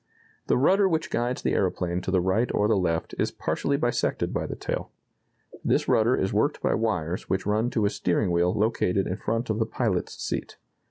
The rudder which guides the aeroplane to the right or the left is partially bisected by the tail. This rudder is worked by wires which run to a steering wheel located in front of the pilot's seat.